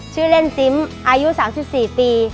ชื่อเล่นซิมอายุ๓๔ปี